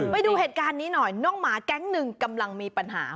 ไปดูเหตุการณ์นี้หน่อยน้องหมาแก๊งหนึ่งกำลังมีปัญหา